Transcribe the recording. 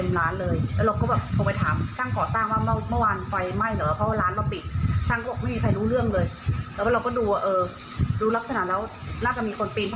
ประตูไม่ได้ล๊อคแล้วก็เออลองดูแล้วก็มาดูกล้องมุมจอมปิด